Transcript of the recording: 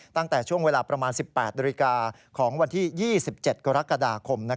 ตั้งแต่ช่วงเวลาประมาณ๑๘นาฬิกาของวันที่๒๗กรกฎาคม